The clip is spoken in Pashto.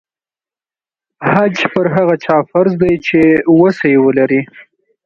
حج پر هغه چا فرض دی چې وسه یې ولري.